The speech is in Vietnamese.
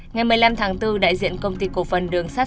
ngày một mươi năm tháng bốn đại diện công ty cổ phần đường sát